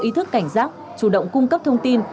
ý thức cảnh giác chủ động cung cấp thông tin